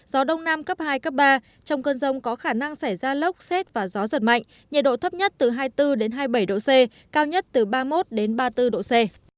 trong mưa rào và rông rải rác có khả năng cao xảy ra lốc xét và gió giật mạnh nhiệt độ thấp nhất từ hai mươi bốn hai mươi bảy độ c cao nhất từ ba mươi một ba mươi bốn độ c